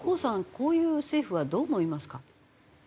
こういう政府はどう思いますか？